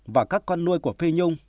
và các con nuôi của phi nhung